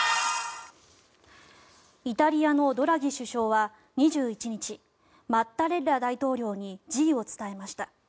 イタリアのドラギ首相は２１日マッタレッラ大統領に辞意を伝えました。